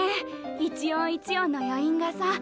一音一音の余韻がさ弾む感じ。